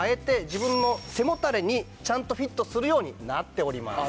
自分の背もたれにちゃんとフィットするようになっております。